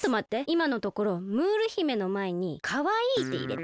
いまのところムール姫のまえに「かわいい」っていれて。